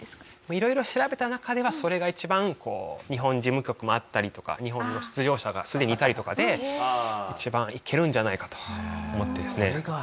色々調べた中ではそれが一番こう日本事務局もあったりとか日本の出場者がすでにいたりとかで一番いけるんじゃないかと思ってですね。